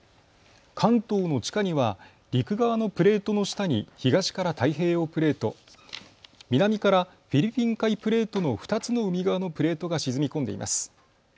関東の地下には陸側のプレートの下に東から太平洋プレート、南からフィリピン海プレートの２つの海側のプレートが沈み込んでいます。